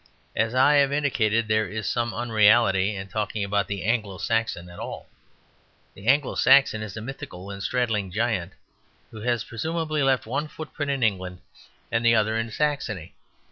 As I have indicated, there is some unreality in talking about the Anglo Saxon at all. The Anglo Saxon is a mythical and straddling giant, who has presumably left one footprint in England and the other in Saxony.